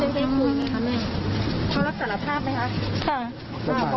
อย่างพี่ผิดใช่ไหมคะ